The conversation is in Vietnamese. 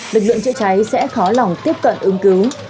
lực lượng chữa cháy sẽ khó lòng tiếp cận ứng cứu